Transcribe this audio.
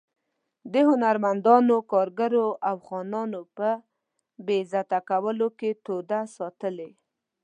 د هنرمندانو، کارګرو او خانانو په بې عزته کولو کې توده ساتلې.